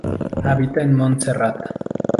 Habita en Montserrat.